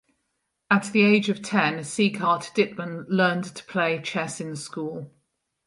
At the age of ten Sieghart Dittmann learned to play chess in school.